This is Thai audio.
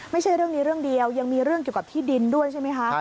ไม่ใช่เรื่องนี้เรื่องเดียวยังมีเรื่องเกี่ยวกับที่ดินด้วยใช่ไหมคะ